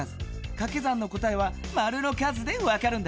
かけ算の答えはマルの数でわかるんだ。